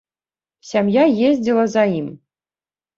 Сям'я ездзіла за ім.